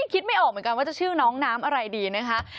คิดไม่ออกเหมือนกันว่าจะชื่อน้องน้ำอะไรดีนะคะ